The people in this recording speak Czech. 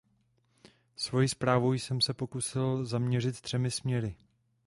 Svoji zprávu jsem se pokusil zaměřit třemi směry.